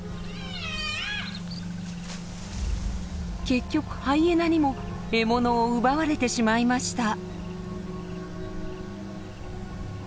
結局ハイエナにも獲物を奪われてしまいました。